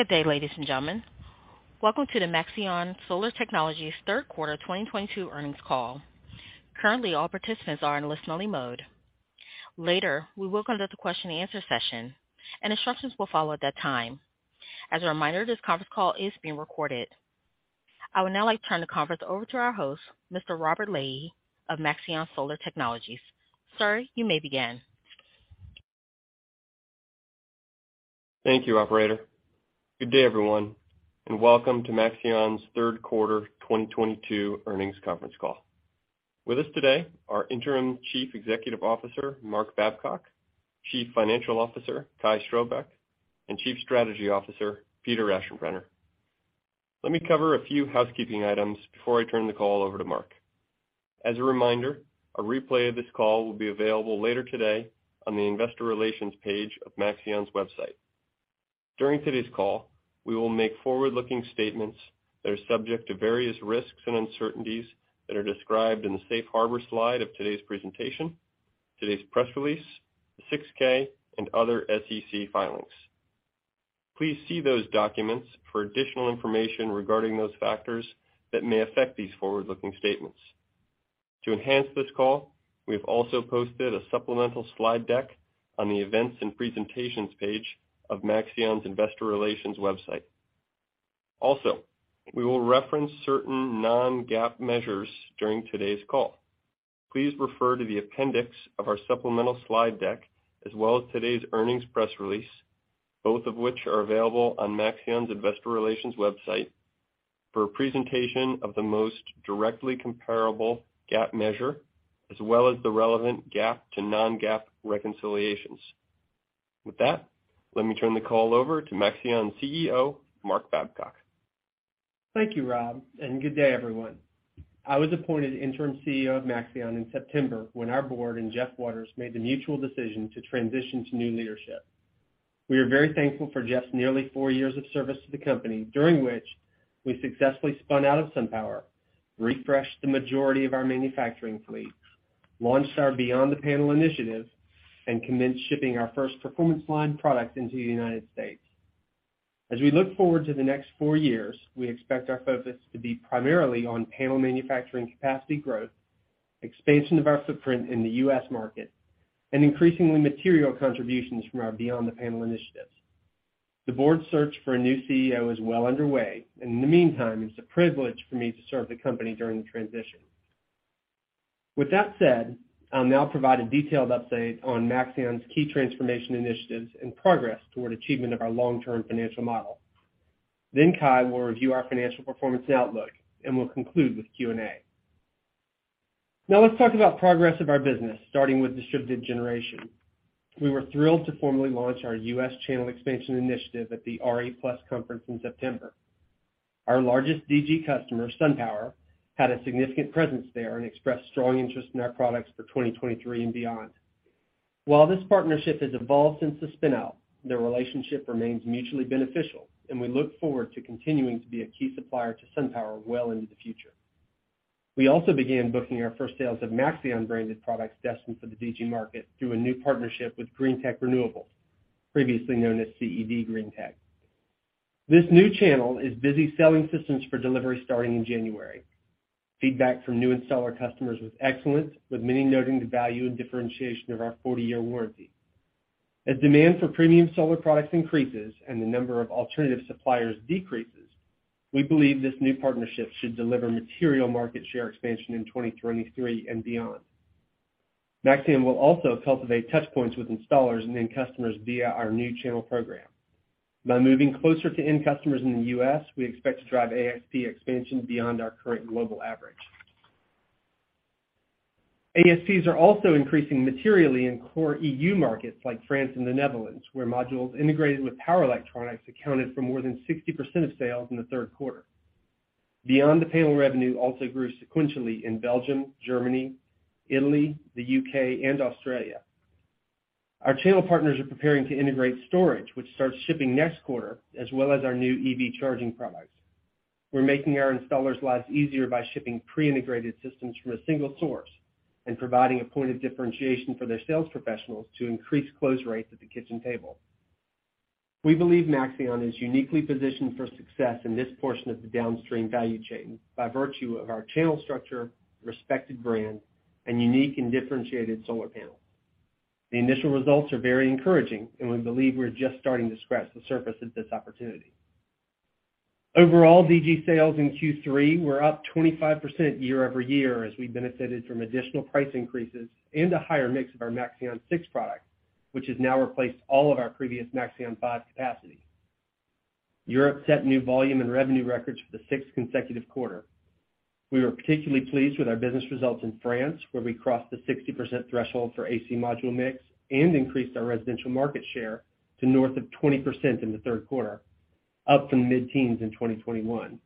Good day, ladies and gentlemen. Welcome to the Maxeon Solar Technologies third quarter 2022 earnings call. Currently, all participants are in listen only mode. Later, we will conduct a question and answer session, and instructions will follow at that time. As a reminder, this conference call is being recorded. I would now like to turn the conference over to our host, Mr. Robert Lahey of Maxeon Solar Technologies. Sir, you may begin. Thank you, operator. Good day, everyone, and welcome to Maxeon's third quarter 2022 earnings conference call. With us today are Interim Chief Executive Officer, Mark Babcock, Chief Financial Officer, Kai Strohbecke, and Chief Strategy Officer, Peter Aschenbrenner. Let me cover a few housekeeping items before I turn the call over to Mark. As a reminder, a replay of this call will be available later today on the investor relations page of Maxeon's website. During today's call, we will make forward-looking statements that are subject to various risks and uncertainties that are described in the Safe Harbor slide of today's presentation, today's press release, the Form 6-K, and other SEC filings. Please see those documents for additional information regarding those factors that may affect these forward-looking statements. To enhance this call, we have also posted a supplemental slide deck on the events and presentations page of Maxeon's investor relations website. Also, we will reference certain non-GAAP measures during today's call. Please refer to the appendix of our supplemental slide deck, as well as today's earnings press release, both of which are available on Maxeon's investor relations website for a presentation of the most directly comparable GAAP measure, as well as the relevant GAAP to non-GAAP reconciliations. With that, let me turn the call over to Maxeon's CEO, Mark Babcock. Thank you, Rob, and good day, everyone. I was appointed Interim CEO of Maxeon in September when our board and Jeff Waters made the mutual decision to transition to new leadership. We are very thankful for Jeff's nearly four years of service to the company, during which we successfully spun out of SunPower, refreshed the majority of our manufacturing fleet, launched our Beyond the Panel initiative, and commenced shipping our first Performance line product into the United States. As we look forward to the next four years, we expect our focus to be primarily on panel manufacturing capacity growth, expansion of our footprint in the U.S. market, and increasingly material contributions from our Beyond the Panel initiatives. The board's search for a new CEO is well underway, and in the meantime, it's a privilege for me to serve the company during the transition. With that said, I'll now provide a detailed update on Maxeon's key transformation initiatives and progress toward achievement of our long-term financial model. Then Kai will review our financial performance and outlook, and we'll conclude with Q&A. Now let's talk about progress of our business, starting with distributed generation. We were thrilled to formally launch our U.S. channel expansion initiative at the RE+ conference in September. Our largest DG customer, SunPower, had a significant presence there and expressed strong interest in our products for 2023 and beyond. While this partnership has evolved since the spin-out, their relationship remains mutually beneficial, and we look forward to continuing to be a key supplier to SunPower well into the future. We also began booking our first sales of Maxeon branded products destined for the DG market through a new partnership with Greentech Renewables, previously known as CED Greentech. This new channel is busy selling systems for delivery starting in January. Feedback from new installer customers was excellent, with many noting the value and differentiation of our 40-year warranty. As demand for premium solar products increases and the number of alternative suppliers decreases, we believe this new partnership should deliver material market share expansion in 2023 and beyond. Maxeon will also cultivate touch points with installers and end customers via our new channel program. By moving closer to end customers in the U.S., we expect to drive ASP expansion beyond our current global average. ASPs are also increasing materially in core E.U. markets like France and the Netherlands, where modules integrated with power electronics accounted for more than 60% of sales in the third quarter. Beyond the Panel revenue also grew sequentially in Belgium, Germany, Italy, the U.K. and Australia. Our channel partners are preparing to integrate storage, which starts shipping next quarter, as well as our new EV charging products. We're making our installers' lives easier by shipping pre-integrated systems from a single source and providing a point of differentiation for their sales professionals to increase close rates at the kitchen table. We believe Maxeon is uniquely positioned for success in this portion of the downstream value chain by virtue of our channel structure, respected brand, and unique and differentiated solar panels. The initial results are very encouraging, and we believe we're just starting to scratch the surface of this opportunity. Overall, DG sales in Q3 were up 25% year-over-year as we benefited from additional price increases and a higher mix of our Maxeon 6 product, which has now replaced all of our previous Maxeon 5 capacity. Europe set new volume and revenue records for the sixth consecutive quarter. We were particularly pleased with our business results in France, where we crossed the 60% threshold for AC Module mix and increased our residential market share to north of 20% in the third quarter, up from mid-teens in 2021.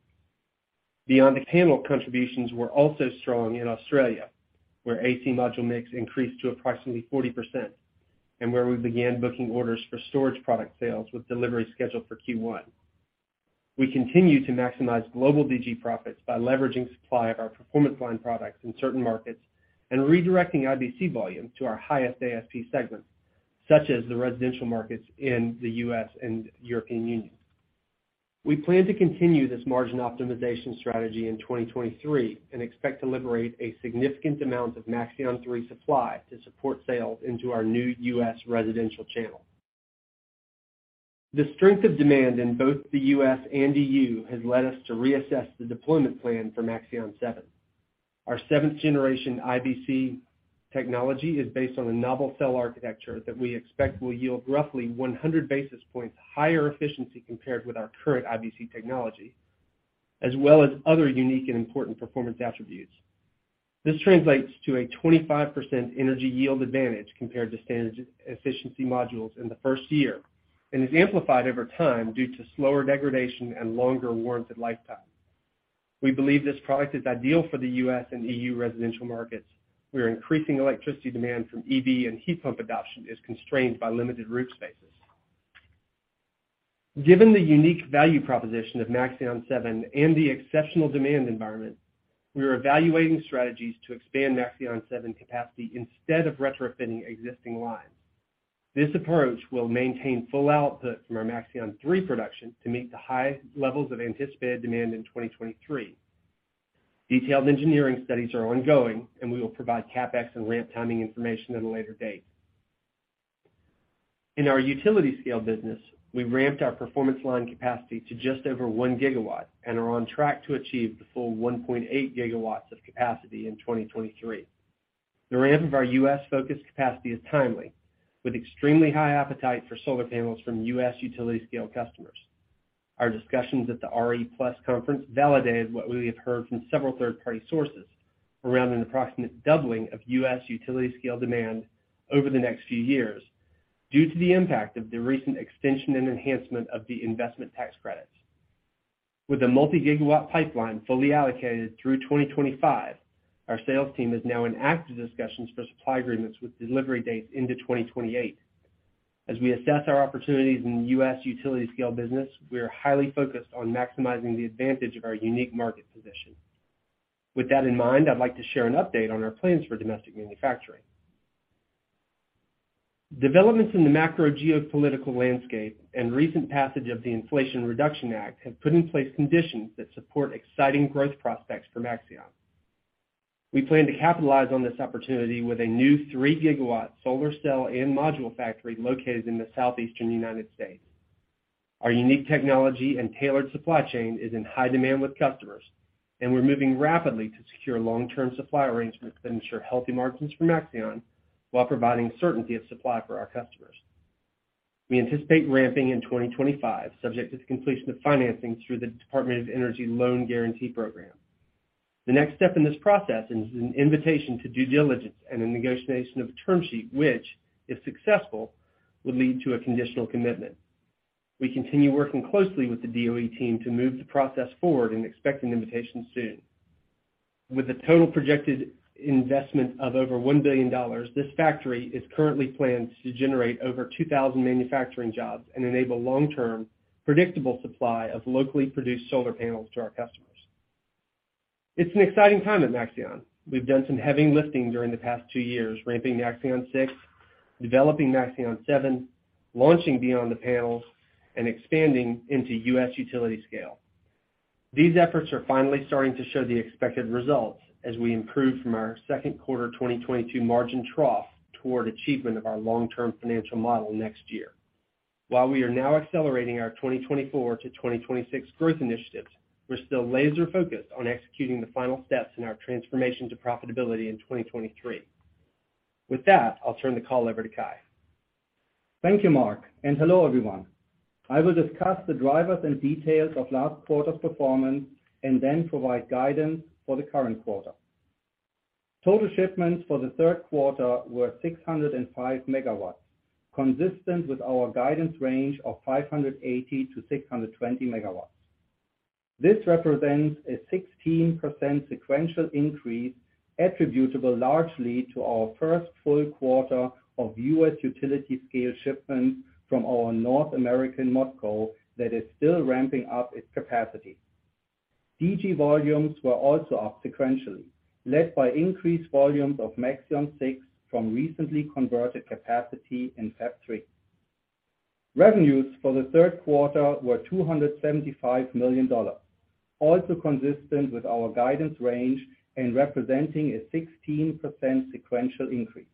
Beyond the Panel, contributions were also strong in Australia, where AC Module mix increased to approximately 40% and where we began booking orders for storage product sales with delivery scheduled for Q1. We continue to maximize global DG profits by leveraging supply of our Performance line products in certain markets and redirecting IBC volume to our highest ASP segments, such as the residential markets in the U.S. and European Union. We plan to continue this margin optimization strategy in 2023, and expect to liberate a significant amount of Maxeon 3 supply to support sales into our new U.S. residential channel. The strength of demand in both the U.S. and EU has led us to reassess the deployment plan for Maxeon 7. Our seventh generation IBC technology is based on a novel cell architecture that we expect will yield roughly 100 basis points higher efficiency compared with our current IBC technology, as well as other unique and important performance attributes. This translates to a 25% energy yield advantage compared to standard efficiency modules in the first year, and is amplified over time due to slower degradation and longer warranted lifetime. We believe this product is ideal for the U.S. and EU residential markets, where increasing electricity demand from EV and heat pump adoption is constrained by limited roof spaces. Given the unique value proposition of Maxeon 7 and the exceptional demand environment, we are evaluating strategies to expand Maxeon 7 capacity instead of retrofitting existing lines. This approach will maintain full output from our Maxeon 3 production to meet the high levels of anticipated demand in 2023. Detailed engineering studies are ongoing, and we will provide CapEx and ramp timing information at a later date. In our utility scale business, we've ramped our Performance line capacity to just over 1 GW and are on track to achieve the full 1.8 GW of capacity in 2023. The ramp of our U.S.-focused capacity is timely, with extremely high appetite for solar panels from U.S. utility scale customers. Our discussions at the RE+ conference validated what we have heard from several third-party sources around an approximate doubling of U.S. utility scale demand over the next few years due to the impact of the recent extension and enhancement of the Investment Tax Credits. With a multi-gigawatt pipeline fully allocated through 2025, our sales team is now in active discussions for supply agreements with delivery dates into 2028. As we assess our opportunities in U.S. utility scale business, we are highly focused on maximizing the advantage of our unique market position. With that in mind, I'd like to share an update on our plans for domestic manufacturing. Developments in the macro geopolitical landscape and recent passage of the Inflation Reduction Act have put in place conditions that support exciting growth prospects for Maxeon. We plan to capitalize on this opportunity with a new 3 GW solar cell and module factory located in the southeastern United States. Our unique technology and tailored supply chain is in high demand with customers, and we're moving rapidly to secure long-term supply arrangements that ensure healthy margins for Maxeon while providing certainty of supply for our customers. We anticipate ramping in 2025, subject to completion of financing through the Department of Energy Loan Guarantee Program. The next step in this process is an invitation to due diligence and a negotiation of a term sheet, which, if successful, would lead to a conditional commitment. We continue working closely with the DOE team to move the process forward and expect an invitation soon. With a total projected investment of over $1 billion, this factory is currently planned to generate over 2,000 manufacturing jobs and enable long-term, predictable supply of locally produced solar panels to our customers. It's an exciting time at Maxeon. We've done some heavy lifting during the past two years, ramping Maxeon 6, developing Maxeon 7, launching Beyond the Panel, and expanding into U.S. utility-scale. These efforts are finally starting to show the expected results as we improve from our second quarter 2022 margin trough toward achievement of our long-term financial model next year. While we are now accelerating our 2024 to 2026 growth initiatives, we're still laser-focused on executing the final steps in our transformation to profitability in 2023. With that, I'll turn the call over to Kai. Thank you, Mark, and hello, everyone. I will discuss the drivers and details of last quarter's performance and then provide guidance for the current quarter. Total shipments for the third quarter were 605 megawatts, consistent with our guidance range of 580-620 megawatts. This represents a 16% sequential increase attributable largely to our first full quarter of U.S. utility scale shipments from our North American ModCo that is still ramping up its capacity. DG volumes were also up sequentially, led by increased volumes of Maxeon 6 from recently converted capacity in Fab 3. Revenues for the third quarter were $275 million, also consistent with our guidance range and representing a 16% sequential increase.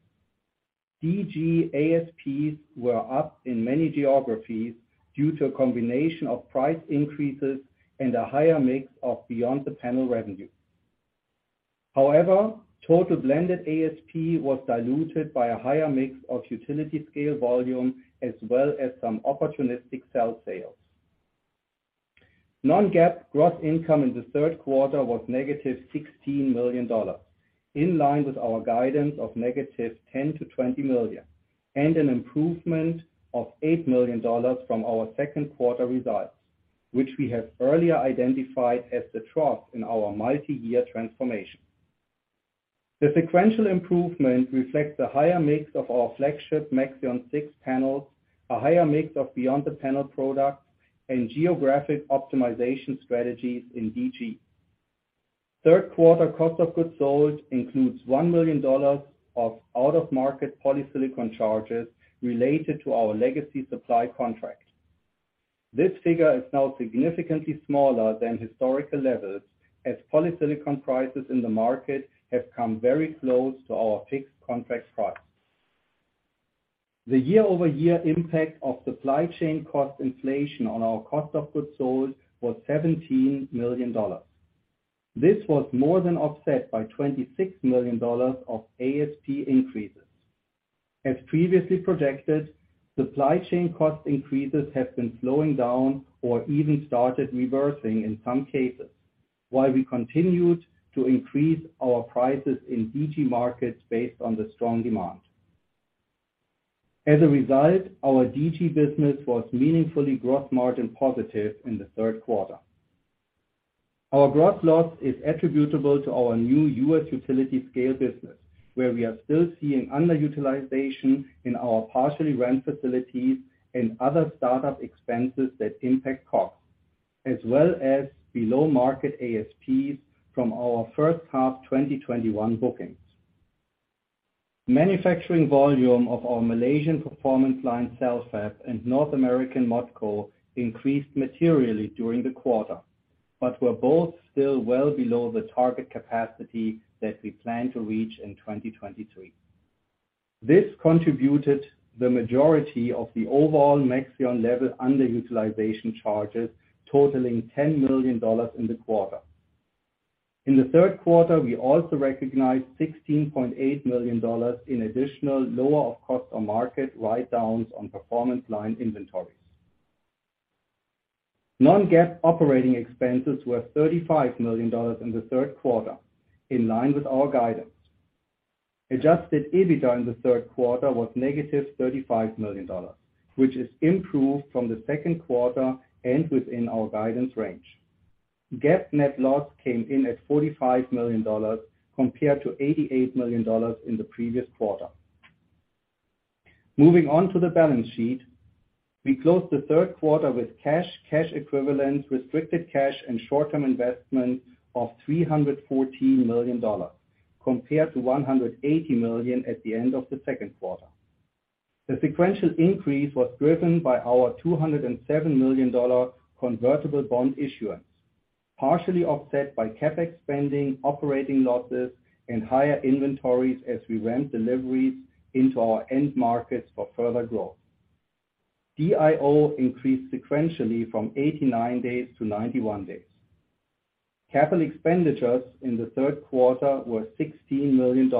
DG ASPs were up in many geographies due to a combination of price increases and a higher mix of Beyond the Panel revenue. However, total blended ASP was diluted by a higher mix of utility scale volume as well as some opportunistic cell sales. Non-GAAP gross income in the third quarter was negative $16 million, in line with our guidance of negative $10 million-$20 million, and an improvement of $8 million from our second quarter results, which we have earlier identified as the trough in our multi-year transformation. The sequential improvement reflects the higher mix of our flagship Maxeon 6 panels, a higher mix of Beyond the Panel products, and geographic optimization strategies in DG. Third quarter cost of goods sold includes $1 million of out-of-market polysilicon charges related to our legacy supply contract. This figure is now significantly smaller than historical levels, as polysilicon prices in the market have come very close to our fixed contract price. The year-over-year impact of supply chain cost inflation on our cost of goods sold was $17 million. This was more than offset by $26 million of ASP increases. As previously projected, supply chain cost increases have been slowing down or even started reversing in some cases, while we continued to increase our prices in DG markets based on the strong demand. As a result, our DG business was meaningfully gross margin positive in the third quarter. Our gross loss is attributable to our new U.S. utility scale business, where we are still seeing underutilization in our partially rented facilities and other startup expenses that impact costs, as well as below-market ASPs from our first half 2021 bookings. Manufacturing volume of our Malaysian Performance line cell fab and North American ModCo increased materially during the quarter, but were both still well below the target capacity that we plan to reach in 2023. This contributed the majority of the overall Maxeon level underutilization charges totaling $10 million in the quarter. In the third quarter, we also recognized $16.8 million in additional lower of cost or market write-downs on Performance line inventories. Non-GAAP operating expenses were $35 million in the third quarter, in line with our guidance. Adjusted EBITDA in the third quarter was -$35 million, which is improved from the second quarter and within our guidance range. GAAP net loss came in at $45 million compared to $88 million in the previous quarter. Moving on to the balance sheet. We closed the third quarter with cash equivalents, restricted cash, and short-term investments of $314 million compared to $180 million at the end of the second quarter. The sequential increase was driven by our $207 million convertible bond issuance, partially offset by CapEx spending, operating losses, and higher inventories as we ramp deliveries into our end markets for further growth. DIO increased sequentially from 89 days to 91 days. Capital expenditures in the third quarter were $16 million,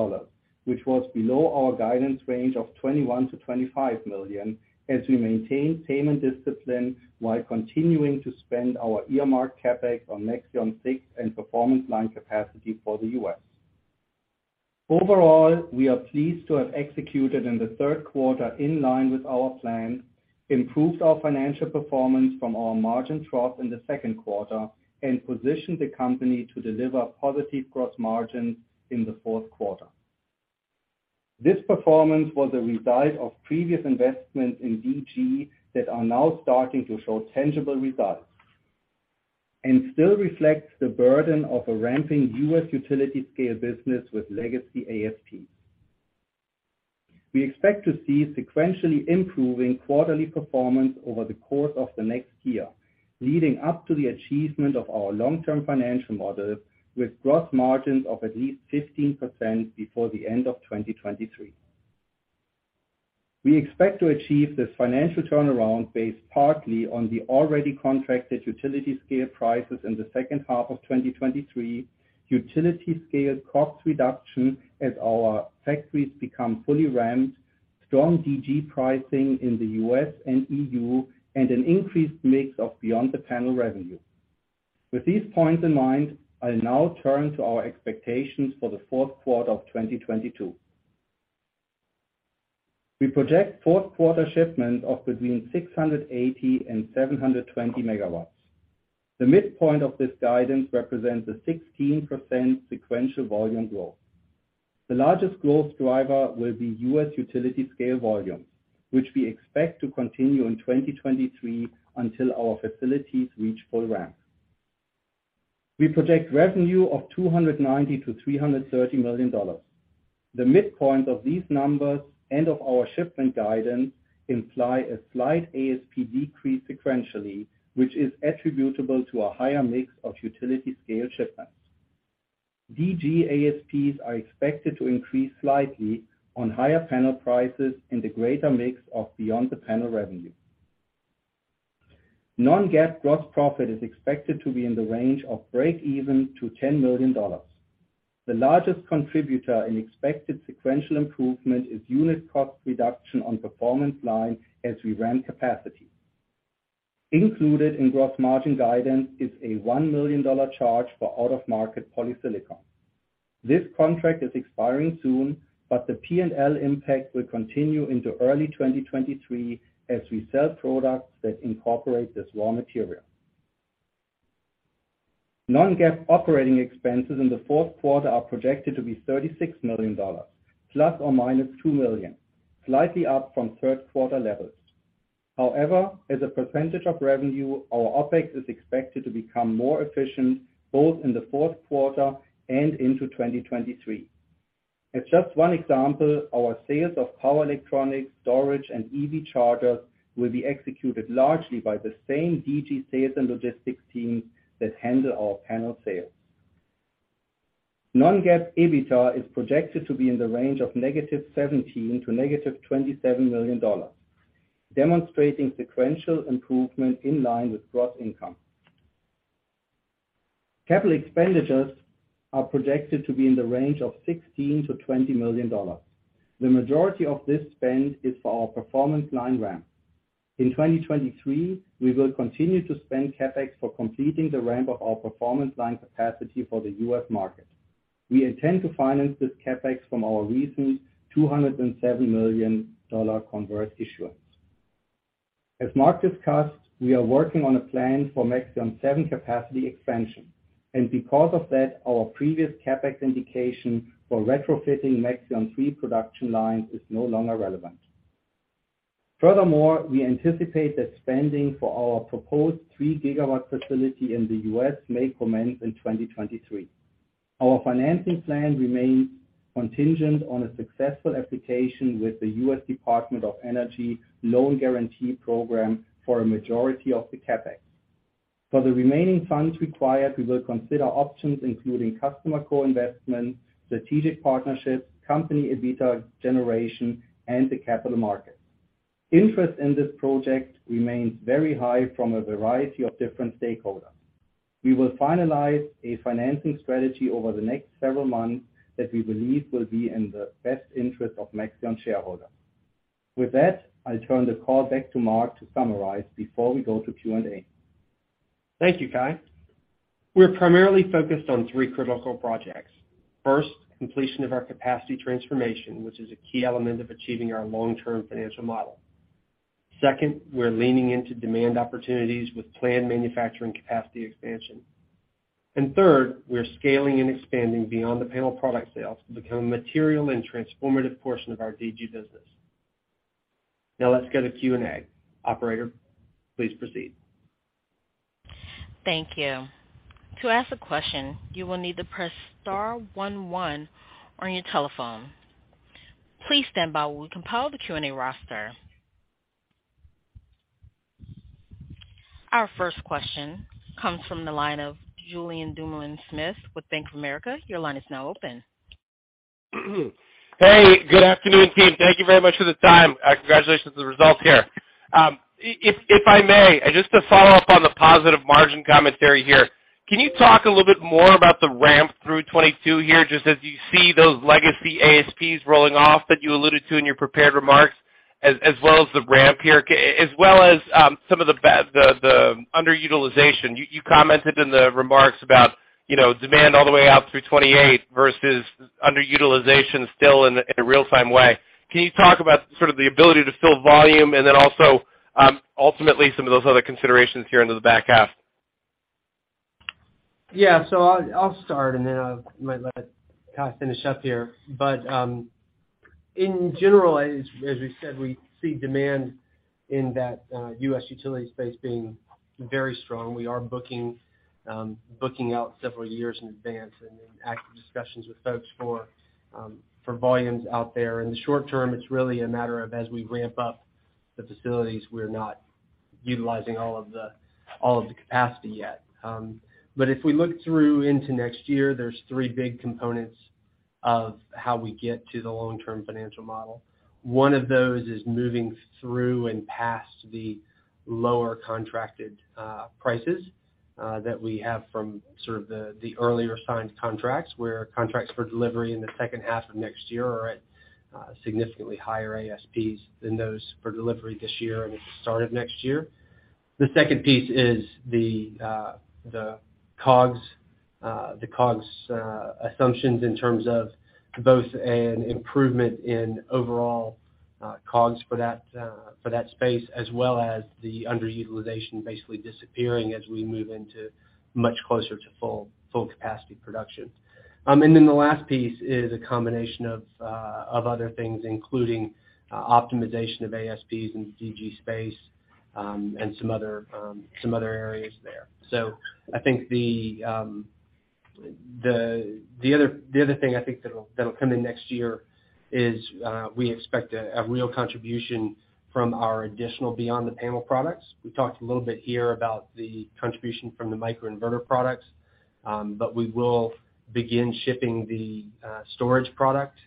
which was below our guidance range of $21 million-$25 million, as we maintain payment discipline while continuing to spend our earmarked CapEx on Maxeon 6 and Performance line capacity for the U.S. Overall, we are pleased to have executed in the third quarter in line with our plan, improved our financial performance from our margin trough in the second quarter, and positioned the company to deliver positive gross margins in the fourth quarter. This performance was a result of previous investments in DG that are now starting to show tangible results and still reflects the burden of a ramping U.S. utility scale business with legacy ASPs. We expect to see sequentially improving quarterly performance over the course of the next year, leading up to the achievement of our long-term financial model with gross margins of at least 15% before the end of 2023. We expect to achieve this financial turnaround based partly on the already contracted utility scale prices in the second half of 2023, utility scale cost reduction as our factories become fully ramped, strong DG pricing in the U.S. and E.U., and an increased mix of Beyond the Panel revenue. With these points in mind, I'll now turn to our expectations for the fourth quarter of 2022. We project fourth quarter shipments of between 680 and 720 MW. The midpoint of this guidance represents a 16% sequential volume growth. The largest growth driver will be U.S. utility scale volumes, which we expect to continue in 2023 until our facilities reach full ramp. We project revenue of $290 million-$330 million. The midpoint of these numbers and of our shipment guidance imply a slight ASP decrease sequentially, which is attributable to a higher mix of utility scale shipments. DG ASPs are expected to increase slightly on higher panel prices and the greater mix of Beyond the Panel revenue. Non-GAAP gross profit is expected to be in the range of breakeven to $10 million. The largest contributor in expected sequential improvement is unit cost reduction on Performance line as we ramp capacity. Included in gross margin guidance is a $1 million charge for out-of-market polysilicon. This contract is expiring soon, but the P&L impact will continue into early 2023 as we sell products that incorporate this raw material. Non-GAAP operating expenses in the fourth quarter are projected to be $36 million ± $2 million, slightly up from third quarter levels. However, as a percentage of revenue, our OpEx is expected to become more efficient both in the fourth quarter and into 2023. As just one example, our sales of power electronics, storage, and EV chargers will be executed largely by the same DG sales and logistics teams that handle our panel sales. Non-GAAP EBITDA is projected to be in the range of -$17 million to -$27 million, demonstrating sequential improvement in line with gross income. Capital expenditures are projected to be in the range of $16-$20 million. The majority of this spend is for our Performance line ramp. In 2023, we will continue to spend CapEx for completing the ramp of our Performance line capacity for the U.S. market. We intend to finance this CapEx from our recent $207 million convert issuance. As Mark discussed, we are working on a plan for Maxeon 7 capacity expansion, and because of that, our previous CapEx indication for retrofitting Maxeon 3 production lines is no longer relevant. Furthermore, we anticipate that spending for our proposed 3 GW facility in the U.S. may commence in 2023. Our financing plan remains contingent on a successful application with the U.S. Department of Energy loan guarantee program for a majority of the CapEx. For the remaining funds required, we will consider options including customer co-investment, strategic partnerships, company EBITDA generation, and the capital markets. Interest in this project remains very high from a variety of different stakeholders. We will finalize a financing strategy over the next several months that we believe will be in the best interest of Maxeon shareholders. With that, I turn the call back to Mark to summarize before we go to Q&A. Thank you, Kai. We're primarily focused on three critical projects. First, completion of our capacity transformation, which is a key element of achieving our long-term financial model. Second, we're leaning into demand opportunities with planned manufacturing capacity expansion. Third, we're scaling and expanding Beyond the Panel product sales to become a material and transformative portion of our DG business. Now let's go to Q&A. Operator, please proceed. Thank you. To ask a question, you will need to press star one one on your telephone. Please stand by while we compile the Q&A roster. Our first question comes from the line of Julien Dumoulin-Smith with Bank of America. Your line is now open. Hey, Good afternoon, team. Thank you very much for the time. Congratulations on the results here. If I may, just to follow up on the positive margin commentary here, can you talk a little bit more about the ramp through 2022 here, just as you see those legacy ASPs rolling off that you alluded to in your prepared remarks, as well as the ramp here, as well as some of the the underutilization. You commented in the remarks about, you know, demand all the way out through 2028 versus underutilization still in a real-time way. Can you talk about sort of the ability to fill volume and then also ultimately some of those other considerations here into the back half? Yeah. I'll start, and then I might let Kai finish up here. In general, as we said, we see demand in that U.S. utility space being very strong. We are booking out several years in advance and in active discussions with folks for volumes out there. In the short term, it's really a matter of as we ramp up the facilities, we're not utilizing all of the capacity yet. If we look through into next year, there's three big components of how we get to the long-term financial model. One of those is moving through and past the lower contracted prices that we have from sort of the earlier signed contracts, where contracts for delivery in the second half of next year are at significantly higher ASPs than those for delivery this year and at the start of next year. The second piece is the COGS assumptions in terms of both an improvement in overall COGS for that space, as well as the underutilization basically disappearing as we move into much closer to full capacity production. The last piece is a combination of other things, including optimization of ASPs in the DG space, and some other areas there. I think the other thing that'll come in next year is we expect a real contribution from our additional Beyond the Panel products. We talked a little bit here about the contribution from the microinverter products, but we will begin shipping the storage product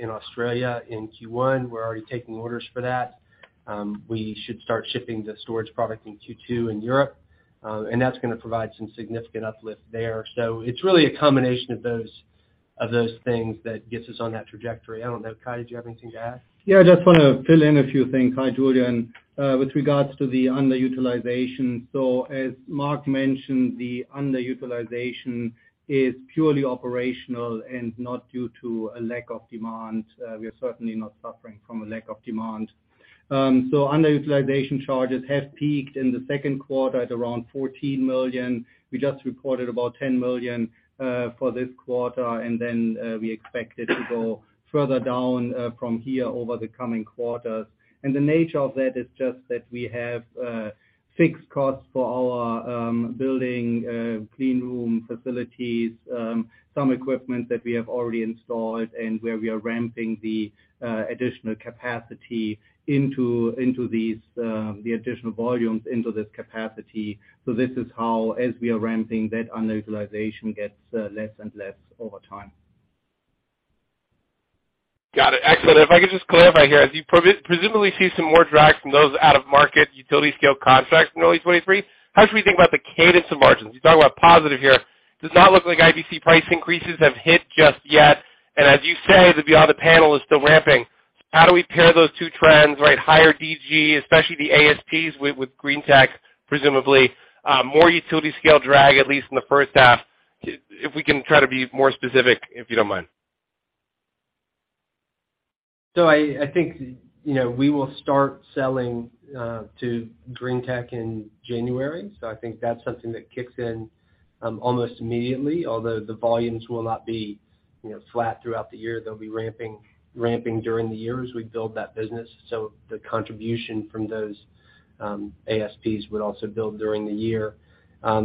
in Australia in Q1. We're already taking orders for that. We should start shipping the storage product in Q2 in Europe, and that's gonna provide some significant uplift there. It's really a combination of those things that gets us on that trajectory. I don't know, Kai, did you have anything to add? Yeah, I just wanna fill in a few things. Hi, Julien. With regards to the underutilization, as Mark mentioned, the underutilization is purely operational and not due to a lack of demand. We are certainly not suffering from a lack of demand. Underutilization charges have peaked in the second quarter at around $14 million. We just reported about $10 million for this quarter, and then we expect it to go further down from here over the coming quarters. The nature of that is just that we have fixed costs for our building clean room facilities, some equipment that we have already installed and where we are ramping the additional capacity into these, the additional volumes into this capacity. This is how, as we are ramping, that underutilization gets less and less over time. Got it. Excellent. If I could just clarify here, as you presumably see some more drag from those out-of-market utility scale contracts in early 2023, how should we think about the cadence of margins? You talk about positive here. Does it not look like IBC price increases have hit just yet? As you say, the Beyond the Panel is still ramping. How do we pair those two trends, right, higher DG, especially the ASPs with Greentech, presumably more utility scale drag, at least in the first half, if we can try to be more specific, if you don't mind. I think, you know, we will start selling to Greentech in January. I think that's something that kicks in almost immediately. Although the volumes will not be, you know, flat throughout the year, they'll be ramping during the year as we build that business. The contribution from those ASPs would also build during the year. As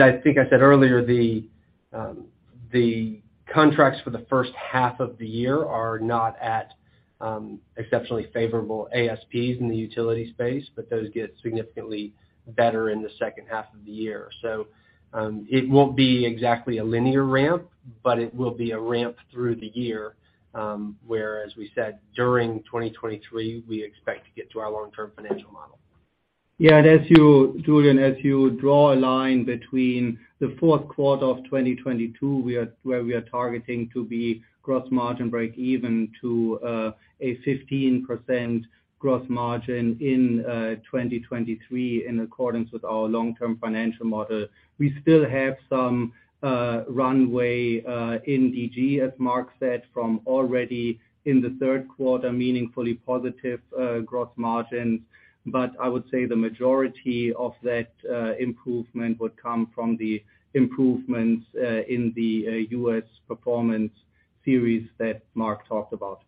I think I said earlier, the contracts for the first half of the year are not at exceptionally favorable ASPs in the utility space, but those get significantly better in the second half of the year. It won't be exactly a linear ramp, but it will be a ramp through the year, where, as we said, during 2023, we expect to get to our long-term financial model. Yeah. Julien, as you draw a line between the fourth quarter of 2022, where we are targeting to be gross margin break even to a 15% gross margin in 2023 in accordance with our long-term financial model, we still have some runway in DG, as Mark said, from already in the third quarter, meaningfully positive gross margins. I would say the majority of that improvement would come from the improvements in the US Performance Series that Mark talked about.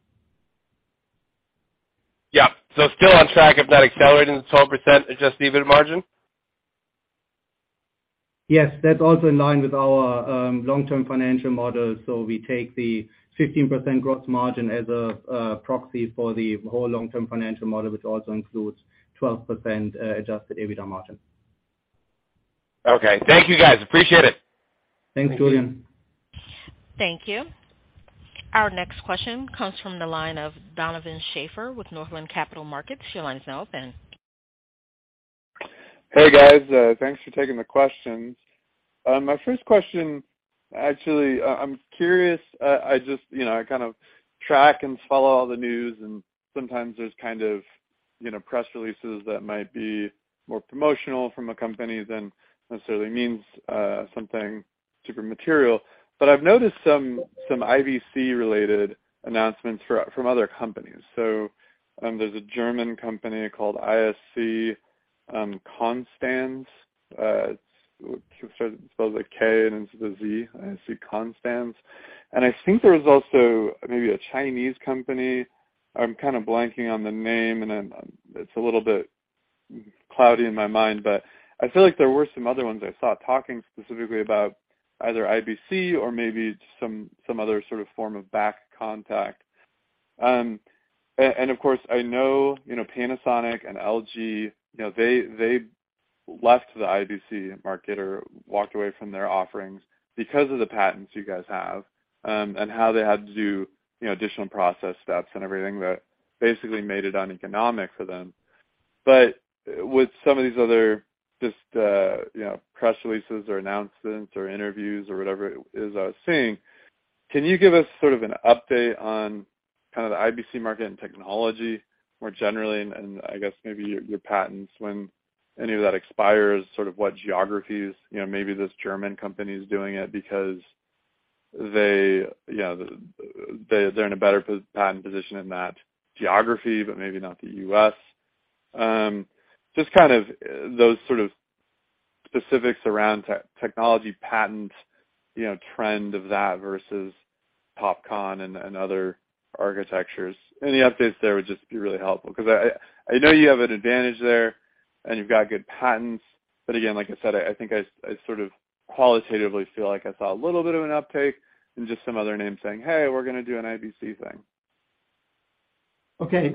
Yeah. Still on track, if not accelerating the 12% adjusted EBIT margin? Yes. That's also in line with our long-term financial model. We take the 15% gross margin as a proxy for the whole long-term financial model, which also includes 12% adjusted EBITDA margin. Okay. Thank you, guys. Appreciate it. Thanks, Julien. Thank you. Our next question comes from the line of Donovan Schafer with Northland Capital Markets. Your line is now open. Hey, guys, thanks for taking the questions. My first question, actually, I'm curious. I just, you know, I kind of track and follow all the news, and sometimes there's kind of, you know, press releases that might be more promotional from a company than necessarily means something super material. I've noticed some IBC related announcements from other companies. There's a German company called ISC Konstanz. It's spelled like K and it's the Z, ISC Konstanz. I think there was also maybe a Chinese company. I'm kind of blanking on the name, and then it's a little bit cloudy in my mind, but I feel like there were some other ones I saw talking specifically about either IBC or maybe some other sort of form of back contact. Of course, I know, you know, Panasonic and LG, you know, they left the IBC market or walked away from their offerings because of the patents you guys have, and how they had to do, you know, additional process steps and everything that basically made it uneconomic for them. With some of these other just, you know, press releases or announcements or interviews or whatever it is I was seeing, can you give us sort of an update on kind of the IBC market and technology more generally, and I guess maybe your patents, when any of that expires, sort of what geographies, you know, maybe this German company is doing it because they, you know, they're in a better patent position in that geography, but maybe not the U.S. Just kind of those sort of specifics around technology patent, you know, trend of that versus TOPCon and other architectures. Any updates there would just be really helpful, 'cause I know you have an advantage there, and you've got good patents, but again, like I said, I think I sort of qualitatively feel like I saw a little bit of an uptake and just some other names saying, "Hey, we're gonna do an IBC thing. Okay.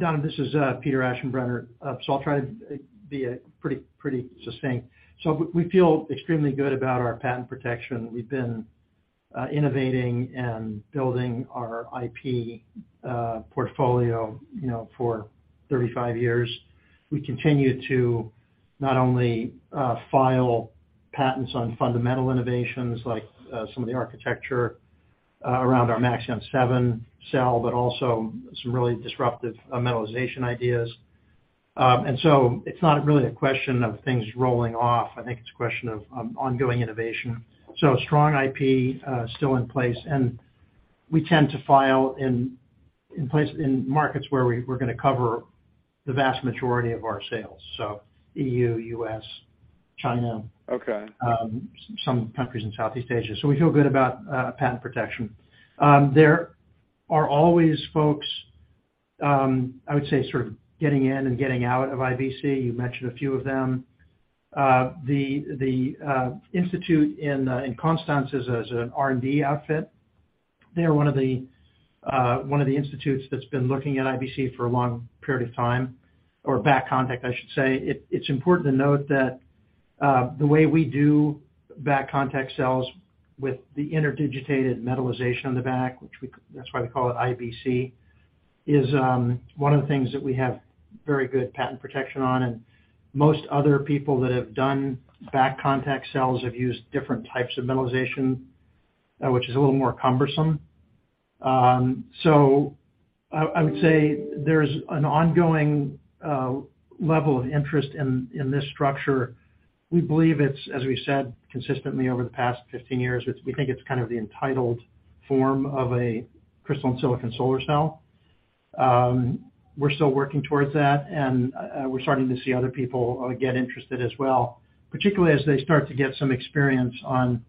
Don, this is Peter Aschenbrenner. I'll try to be pretty succinct. We feel extremely good about our patent protection. We've been Innovating and building our IP portfolio, you know, for 35 years. We continue to not only file patents on fundamental innovations like some of the architecture around our Maxeon 7 cell, but also some really disruptive metallization ideas. It's not really a question of things rolling off. I think it's a question of ongoing innovation. Strong IP still in place, and we tend to file in place in markets where we're gonna cover the vast majority of our sales, so EU, US, China. Okay Some countries in Southeast Asia. We feel good about patent protection. There are always folks, I would say sort of getting in and getting out of IBC. You mentioned a few of them. The institute in Konstanz is an R&D outfit. They're one of the institutes that's been looking at IBC for a long period of time, or back contact, I should say. It's important to note that the way we do back contact cells with the interdigitated metallization on the back, that's why we call it IBC, is one of the things that we have very good patent protection on. Most other people that have done back contact cells have used different types of metallization, which is a little more cumbersome. I would say there's an ongoing level of interest in this structure. We believe it's, as we said consistently over the past 15 years, we think it's kind of the entitled form of a crystalline silicon solar cell. We're still working towards that, and we're starting to see other people get interested as well, particularly as they start to get some experience on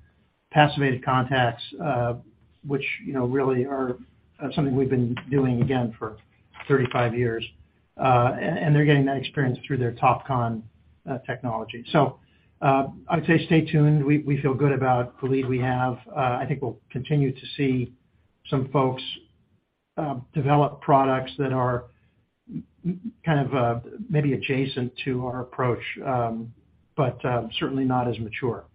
passivated contacts, which, you know, really are something we've been doing again for 35 years. They're getting that experience through their TOPCon technology. I would say stay tuned. We feel good about the lead we have. I think we'll continue to see some folks develop products that are kind of maybe adjacent to our approach, but certainly not as mature.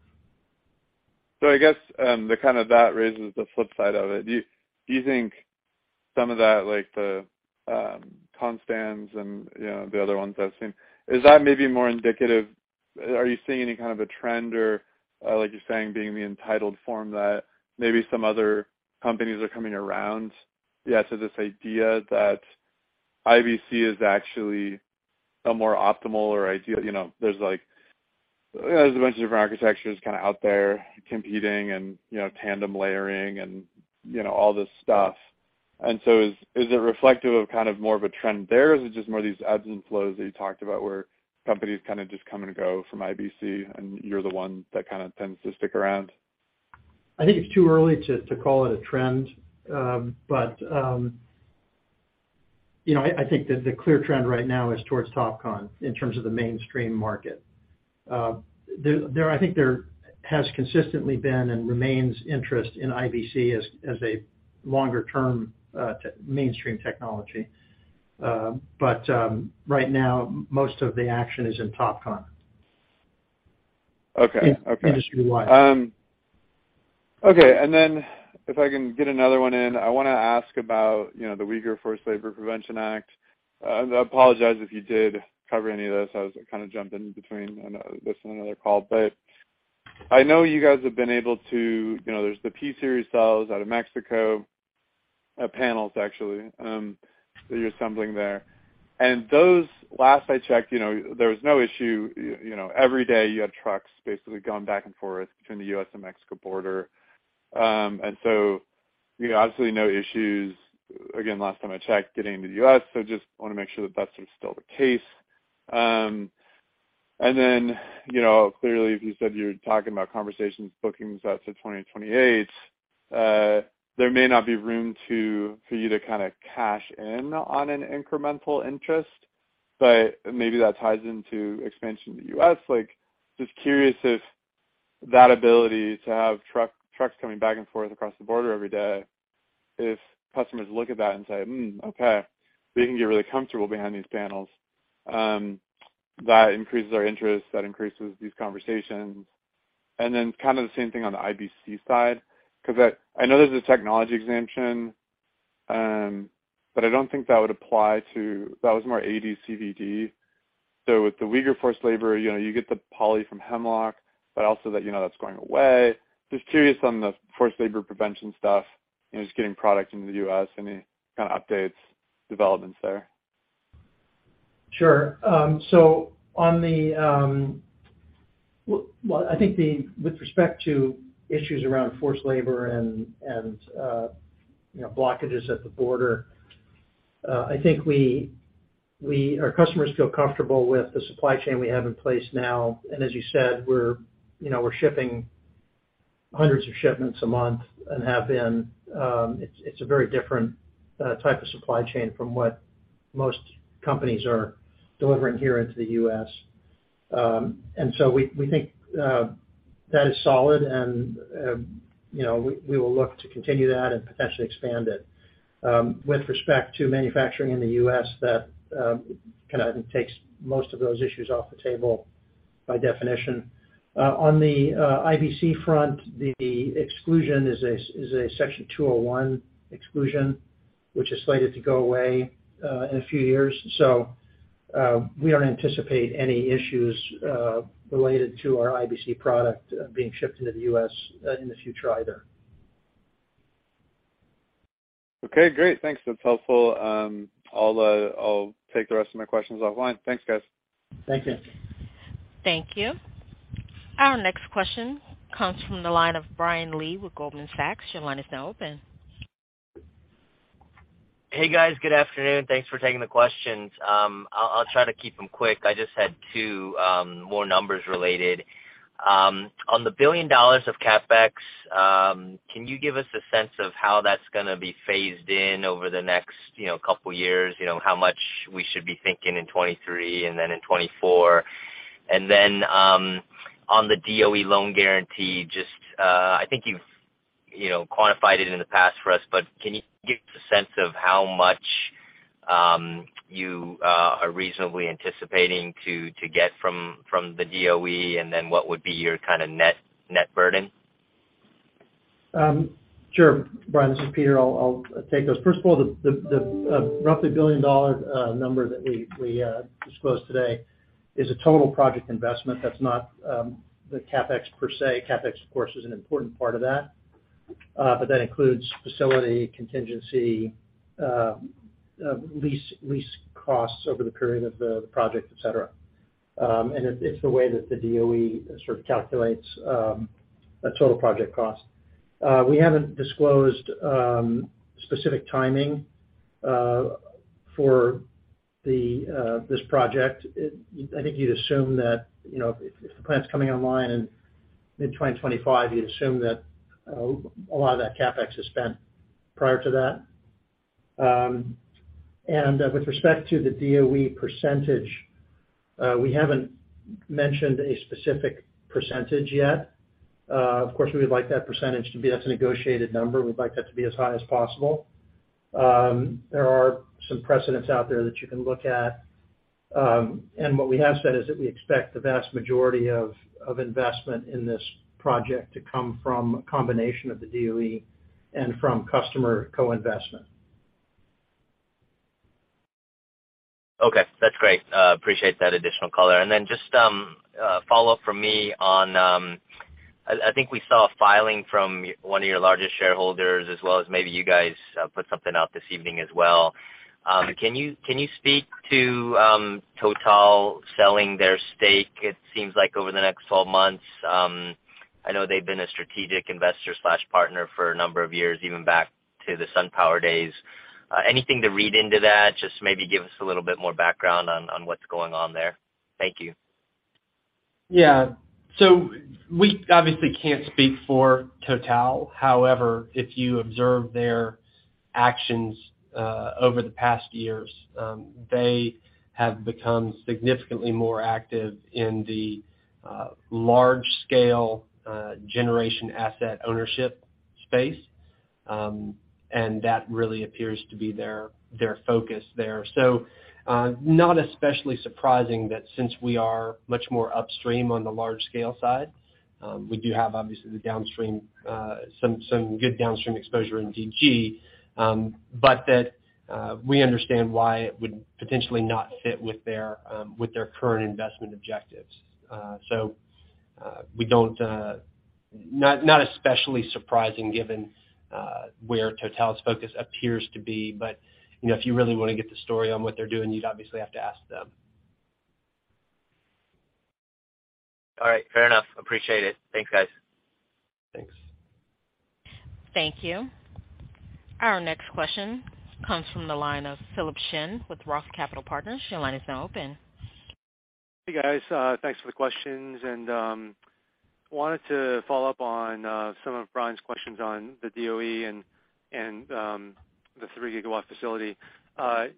I guess, kind of that raises the flip side of it. Do you think some of that, like the Konstanz and, you know, the other ones I've seen, is that maybe more indicative? Are you seeing any kind of a trend or, like you're saying, being the ideal form that maybe some other companies are coming around? Yeah, this idea that IBC is actually a more optimal or ideal, you know, there's like, you know, there's a bunch of different architectures kind of out there competing and, you know, tandem layering and, you know, all this stuff. Is it reflective of kind of more of a trend there, or is it just more these ebbs and flows that you talked about where companies kind of just come and go from IBC, and you're the one that kind of tends to stick around? I think it's too early to call it a trend. I think that the clear trend right now is towards TOPCon in terms of the mainstream market. I think there has consistently been and remains interest in IBC as a longer term mainstream technology. Right now, most of the action is in TOPCon. Okay. Industry-wide. If I can get another one in, I wanna ask about, you know, the Uyghur Forced Labor Prevention Act. I apologize if you did cover any of this. I was kind of jumping between, you know, this and another call. I know you guys have been able to, you know, there's the P-Series cells out of Mexico, panels actually, that you're assembling there. Those, last I checked, you know, there was no issue, you know, every day you had trucks basically going back and forth between the U.S. and Mexico border. Obviously no issues, again, last time I checked, getting into the U.S. Just wanna make sure that that's sort of still the case. You know, clearly, as you said, you're talking about conversations, bookings out to 2028, there may not be room for you to kind of cash in on an incremental interest, but maybe that ties into expansion in the U.S. Like, just curious if that ability to have trucks coming back and forth across the border every day, if customers look at that and say, "Hmm, okay, we can get really comfortable behind these panels," that increases our interest, that increases these conversations. Kind of the same thing on the IBC side, 'cause that I know there's a technology exemption, but I don't think that would apply to that. That was more ADCVD. With the Uyghur Forced Labor, you know, you get the poly from Hemlock, but also that, you know, that's going away. Just curious on the forced labor prevention stuff, you know, just getting product into the U.S., any kind of updates, developments there? Sure. On the, well, I think with respect to issues around forced labor and, you know, blockages at the border, I think our customers feel comfortable with the supply chain we have in place now. As you said, you know, we're shipping hundreds of shipments a month and have been. It's a very different type of supply chain from what most companies are delivering here into the U.S. We think that is solid and, you know, we will look to continue that and potentially expand it. With respect to manufacturing in the U.S., that kind of takes most of those issues off the table by definition. On the IBC front, the exclusion is a Section 201 exclusion, which is slated to go away in a few years. We don't anticipate any issues related to our IBC product being shipped into the U.S. in the future either. Okay, great. Thanks. That's helpful. I'll take the rest of my questions offline. Thanks, guys. Thank you. Thank you. Our next question comes from the line of Brian Lee with Goldman Sachs. Your line is now open. Hey, guys. Good afternoon. Thanks for taking the questions. I'll try to keep them quick. I just had two more numbers related. On the $1 billion of CapEx, can you give us a sense of how that's gonna be phased in over the next, you know, couple years? You know, how much we should be thinking in 2023, and then in 2024? On the DOE loan guarantee, just, I think you've, you know, quantified it in the past for us, but can you give us a sense of how much you are reasonably anticipating to get from the DOE, and then what would be your kind of net burden? Sure. Brian, this is Peter. I'll take those. First of all, roughly $1 billion number that we disclosed today is a total project investment. That's not the CapEx per se. CapEx, of course, is an important part of that. That includes facility contingency, lease costs over the period of the project, et cetera. It's the way that the DOE sort of calculates a total project cost. We haven't disclosed specific timing for this project. I think you'd assume that, you know, if the plant's coming online in mid-2025, you'd assume that a lot of that CapEx is spent prior to that. With respect to the DOE percentage, we haven't mentioned a specific percentage yet. Of course, we would like that percentage to be at a negotiated number. We'd like that to be as high as possible. There are some precedents out there that you can look at. What we have said is that we expect the vast majority of investment in this project to come from a combination of the DOE and from customer co-investment. Okay, that's great. Appreciate that additional color. Just follow up from me on. I think we saw a filing from one of your largest shareholders as well as maybe you guys put something out this evening as well. Can you speak to TotalEnergies selling their stake, it seems like over the next 12 months? I know they've been a strategic investor partner for a number of years, even back to the SunPower days. Anything to read into that? Just maybe give us a little bit more background on what's going on there. Thank you. Yeah. We obviously can't speak for TotalEnergies. However, if you observe their actions over the past years, they have become significantly more active in the large scale generation asset ownership space, and that really appears to be their focus there. Not especially surprising that since we are much more upstream on the large scale side, we do have obviously the downstream, some good downstream exposure in DG, but that we understand why it would potentially not fit with their current investment objectives. Not especially surprising given where TotalEnergies's focus appears to be. You know, if you really wanna get the story on what they're doing, you'd obviously have to ask them. All right. Fair enough. Appreciate it. Thanks, guys. Thanks. Thank you. Our next question comes from the line of Philip Shen with ROTH Capital Partners. Your line is now open. Hey, guys. Thanks for the questions. Wanted to follow up on some of Brian's questions on the DOE and the 3 GW facility. The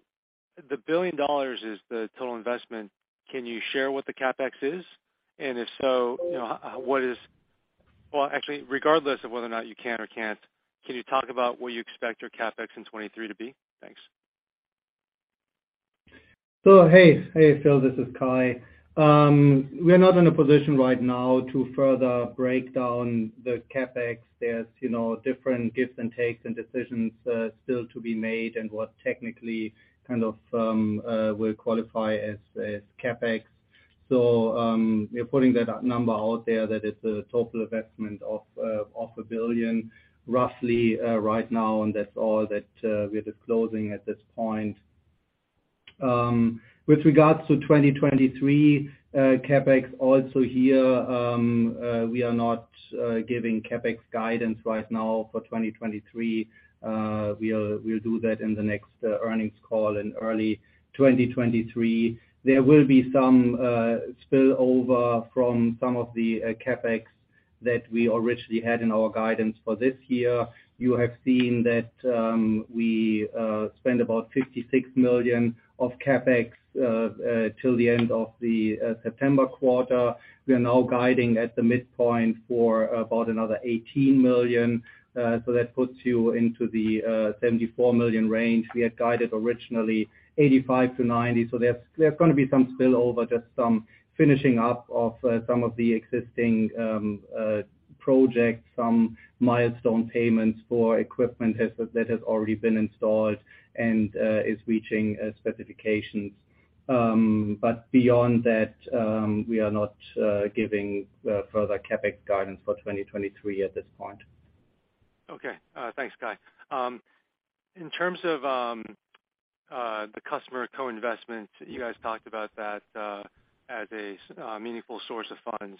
$1 billion is the total investment. Can you share what the CapEx is? If so, you know, actually, regardless of whether or not you can or can't, can you talk about what you expect your CapEx in 2023 to be? Thanks. Hey. Hey, Phil, this is Kai. We're not in a position right now to further break down the CapEx. There's you know different gives and takes and decisions still to be made and what technically kind of will qualify as CapEx. We're putting that number out there that it's a total investment of roughly $1 billion right now, and that's all that we're disclosing at this point. With regards to 2023 CapEx also here, we are not giving CapEx guidance right now for 2023. We'll do that in the next earnings call in early 2023. There will be some spillover from some of the CapEx that we originally had in our guidance for this year. You have seen that we spend about $56 million of CapEx till the end of the September quarter. We are now guiding at the midpoint for about another $18 million. That puts you into the $74 million range. We had guided originally $85-$90 million. There's gonna be some spillover, just some finishing up of some of the existing projects, some milestone payments for equipment that has already been installed and is reaching specifications. Beyond that, we are not giving further CapEx guidance for 2023 at this point. Okay. Thanks, Kai. In terms of the customer co-investment, you guys talked about that as a meaningful source of funds.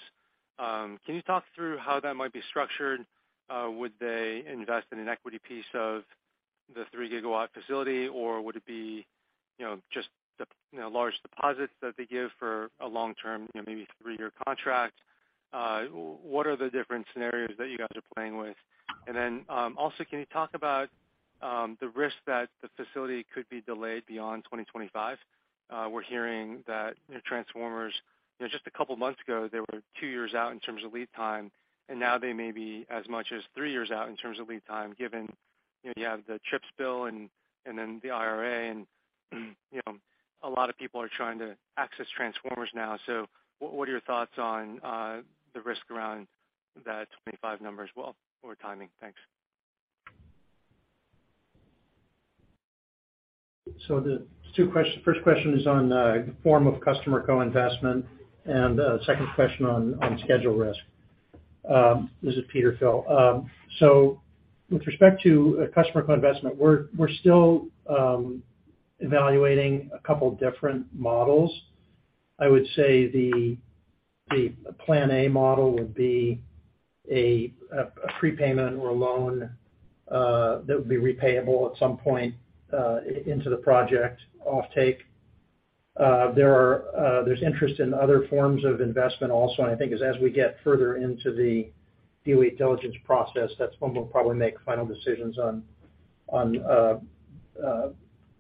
Can you talk through how that might be structured? Would they invest in an equity piece of the 3 GW facility, or would it be, you know, just the large deposits that they give for a long term, you know, maybe three-year contract? What are the different scenarios that you guys are playing with? Also, can you talk about the risk that the facility could be delayed beyond 2025? We're hearing that the transformers, you know, just a couple of months ago, they were two years out in terms of lead time, and now they may be as much as three years out in terms of lead time, given, you know, you have the CHIPS bill and then the IRA, and, you know, a lot of people are trying to access transformers now. What are your thoughts on the risk around that 25 number as well or timing? Thanks. The two questions. First question is on the form of customer co-investment, and second question on schedule risk. This is Peter, Phil. With respect to a customer co-investment, we're still evaluating a couple different models. I would say the plan A model would be a prepayment or a loan that would be repayable at some point into the project offtake. There's interest in other forms of investment also. I think as we get further into the due diligence process, that's when we'll probably make final decisions on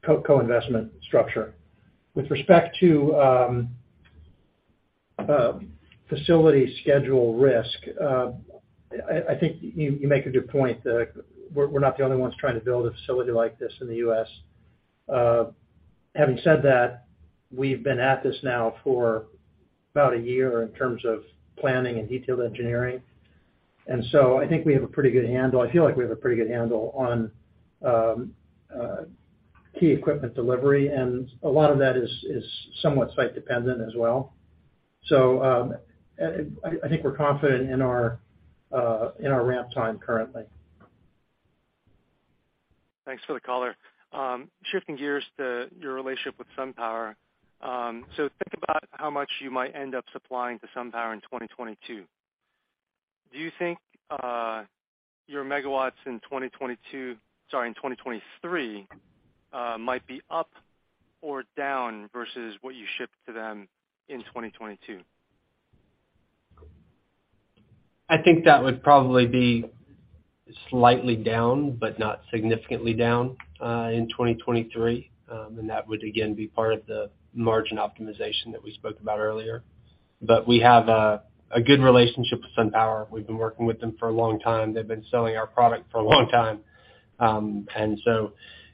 co-investment structure. With respect to facility schedule risk, I think you make a good point that we're not the only ones trying to build a facility like this in the U.S. Having said that, we've been at this now for about a year in terms of planning and detailed engineering. I think we have a pretty good handle. I feel like we have a pretty good handle on key equipment delivery, and a lot of that is somewhat site dependent as well. I think we're confident in our ramp time currently. Thanks for the color. Shifting gears to your relationship with SunPower. Think about how much you might end up supplying to SunPower in 2022. Do you think your megawatts in 2023 might be up or down versus what you shipped to them in 2022? I think that would probably be slightly down, but not significantly down, in 2023. That would again be part of the margin optimization that we spoke about earlier. We have a good relationship with SunPower. We've been working with them for a long time. They've been selling our product for a long time.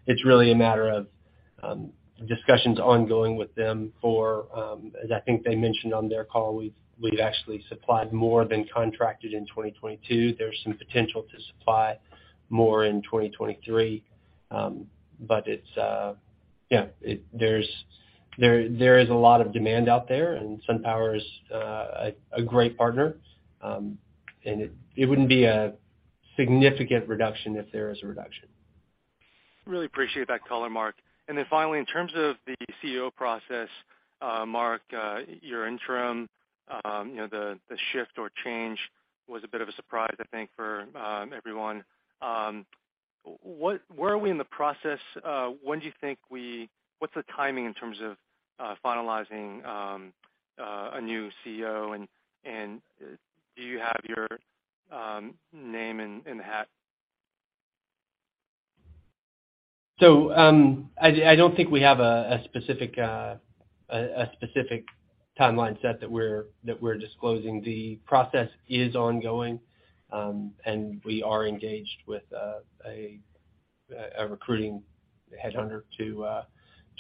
It's really a matter of discussions ongoing with them for, as I think they mentioned on their call, we've actually supplied more than contracted in 2022. There's some potential to supply more in 2023. It's a lot of demand out there, and SunPower is a great partner. It wouldn't be a significant reduction if there is a reduction. Really appreciate that color, Mark. Finally, in terms of the CEO process, Mark, your interim, you know, the shift or change was a bit of a surprise, I think, for everyone. Where are we in the process? When do you think? What's the timing in terms of finalizing a new CEO and do you have your name in the hat? I don't think we have a specific timeline set that we're disclosing. The process is ongoing, and we are engaged with a recruiting headhunter to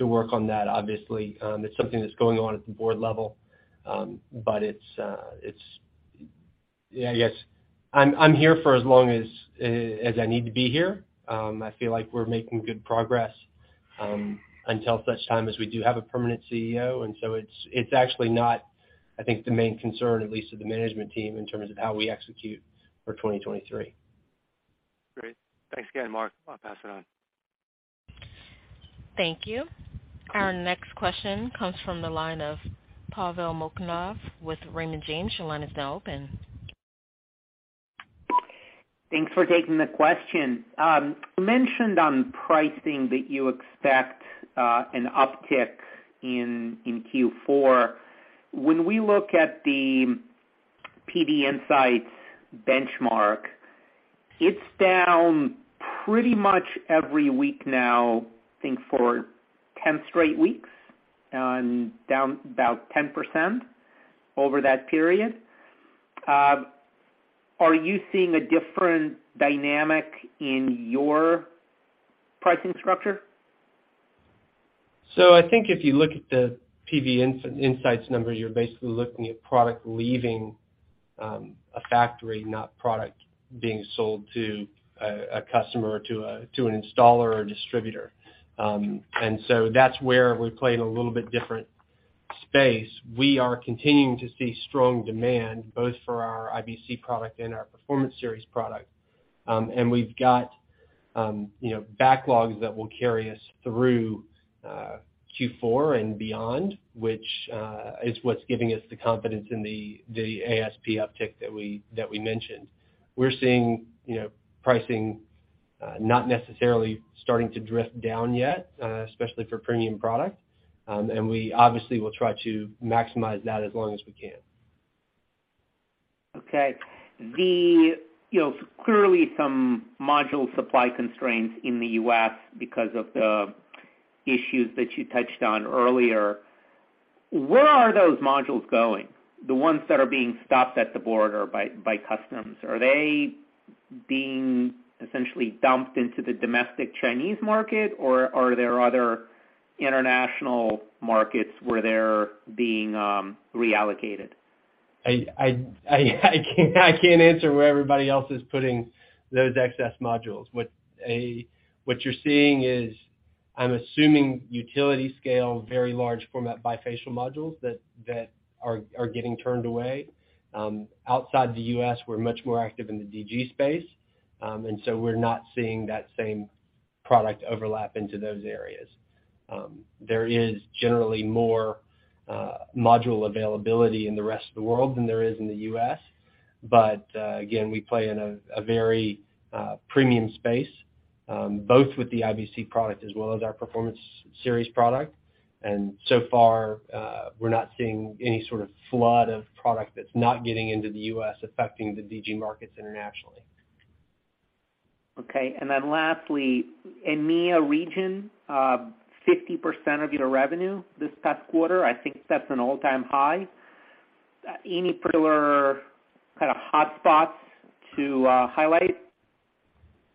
work on that, obviously. It's something that's going on at the board level. It's yeah, I guess I'm here for as long as I need to be here. I feel like we're making good progress until such time as we do have a permanent CEO. It's actually not, I think, the main concern, at least to the management team, in terms of how we execute for 2023. Great. Thanks again, Mark. I'll pass it on. Thank you. Our next question comes from the line of Pavel Molchanov with Raymond James. Your line is now open. Thanks for taking the question. You mentioned on pricing that you expect an uptick in Q4. When we look at the PV Insights benchmark, it's down pretty much every week now, I think, for 10 straight weeks and down about 10% over that period. Are you seeing a different dynamic in your pricing structure? I think if you look at the PV Insights numbers, you're basically looking at product leaving a factory, not product being sold to a customer or to an installer or distributor. That's where we play in a little bit different space. We are continuing to see strong demand both for our IBC product and our Performance Series product. We've got you know backlogs that will carry us through Q4 and beyond, which is what's giving us the confidence in the ASP uptick that we mentioned. We're seeing you know pricing not necessarily starting to drift down yet especially for premium product. We obviously will try to maximize that as long as we can. Okay. You know, clearly some module supply constraints in the U.S. because of the issues that you touched on earlier. Where are those modules going? The ones that are being stopped at the border by customs. Are they being essentially dumped into the domestic Chinese market, or are there other international markets where they're being reallocated? I can't answer where everybody else is putting those excess modules. What you're seeing is, I'm assuming utility scale, very large format bifacial modules that are getting turned away. Outside the U.S., we're much more active in the DG space, and so we're not seeing that same product overlap into those areas. There is generally more module availability in the rest of the world than there is in the U.S. Again, we play in a very premium space, both with the IBC product as well as our Performance Series product. So far, we're not seeing any sort of flood of product that's not getting into the U.S. affecting the DG markets internationally. Okay. Lastly, EMEA region, 50% of your revenue this past quarter. I think that's an all-time high. Any particular kind of hotspots to highlight?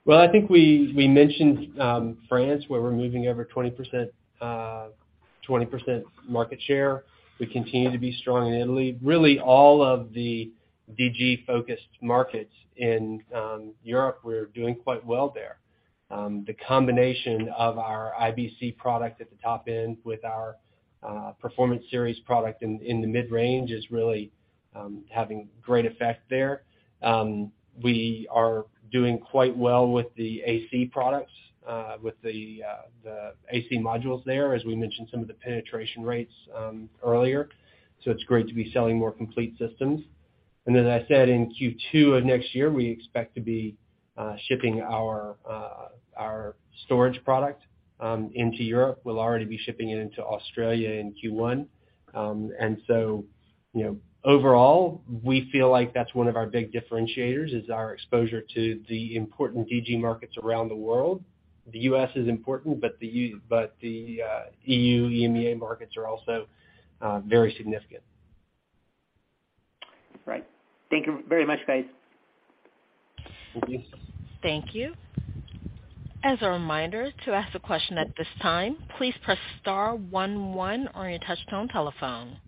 Well, I think we mentioned France, where we're moving over 20% market share. We continue to be strong in Italy. Really all of the DG-focused markets in Europe, we're doing quite well there. The combination of our IBC product at the top end with our Performance Series product in the mid-range is really having great effect there. We are doing quite well with the AC products with the AC modules there, as we mentioned some of the penetration rates earlier. It's great to be selling more complete systems. As I said, in Q2 of next year, we expect to be shipping our storage product into Europe. We'll already be shipping it into Australia in Q1. you know, overall, we feel like that's one of our big differentiators, is our exposure to the important DG markets around the world. The U.S. is important, but the E.U., EMEA markets are also very significant. Right. Thank you very much, guys. Thank you. Thank you. As a reminder, to ask a question at this time, please press star one one on your touchtone telephone.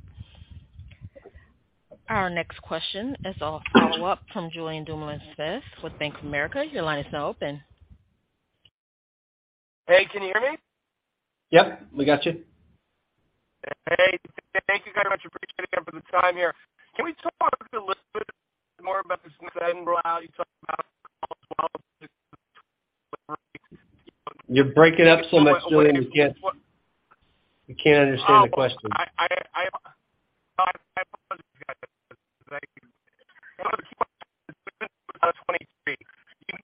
Our next question is a follow-up from Julien Dumoulin-Smith with Bank of America. Your line is now open. Hey, can you hear me? Yep, we got you. Hey. Thank you guys much. Appreciate it again for the time here. Can we talk a little bit more about this new You're breaking up so much, Julien. We can't understand the question.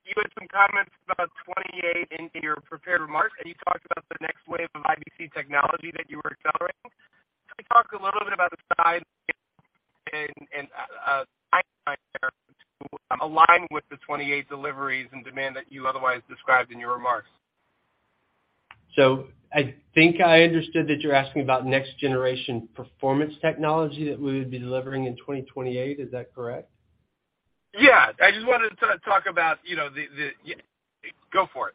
You had some comments about 2028 in your prepared remarks, and you talked about the next wave of IBC technology that you were accelerating. Can you talk a little bit about the size and timeline there to align with the 2028 deliveries and demand that you otherwise described in your remarks? I think I understood that you're asking about next generation performance technology that we would be delivering in 2028. Is that correct? Yeah. I just wanted to talk about, you know, the. Go for it.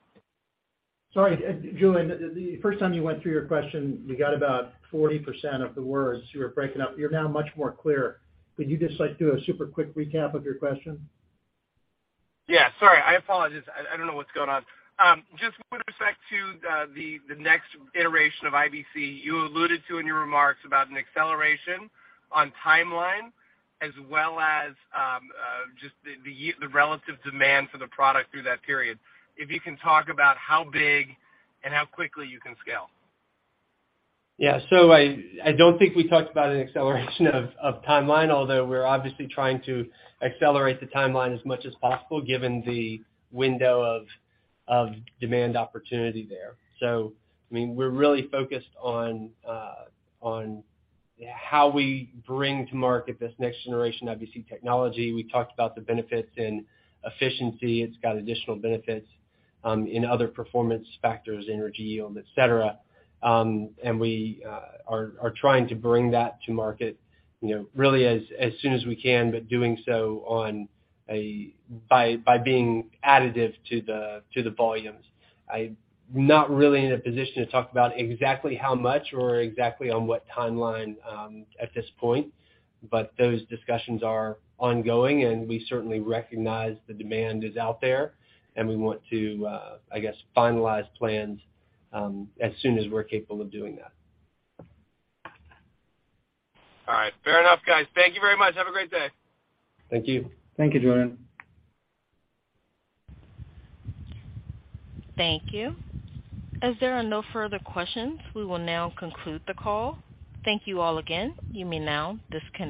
Sorry, Julien, the first time you went through your question, you got about 40% of the words. You were breaking up. You're now much more clear. Could you just, like, do a super quick recap of your question? Yeah, sorry. I apologize. I don't know what's going on. Just with respect to the next iteration of IBC, you alluded to in your remarks about an acceleration on timeline as well as just the relative demand for the product through that period. If you can talk about how big and how quickly you can scale. Yeah. I don't think we talked about an acceleration of timeline, although we're obviously trying to accelerate the timeline as much as possible given the window of demand opportunity there. I mean, we're really focused on how we bring to market this next generation IBC technology. We talked about the benefits in efficiency. It's got additional benefits in other performance factors, energy yield, et cetera. We are trying to bring that to market, you know, really as soon as we can, but doing so by being additive to the volumes. I'm not really in a position to talk about exactly how much or exactly on what timeline, at this point, but those discussions are ongoing, and we certainly recognize the demand is out there, and we want to, I guess, finalize plans, as soon as we're capable of doing that. All right. Fair enough, guys. Thank you very much. Have a great day. Thank you. Thank you, Julien. Thank you. As there are no further questions, we will now conclude the call. Thank you all again. You may now disconnect.